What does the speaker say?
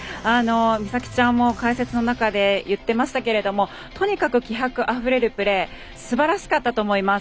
美咲ちゃんも解説の中で言ってましたけれどもとにかく気迫あふれるプレーすばらしかったと思います。